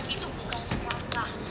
itu bukan serakah